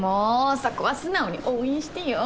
そこは素直に応援してよ。